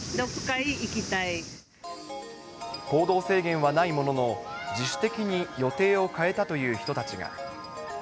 行動制限はないものの、自主的に予定を変えたという人たちが。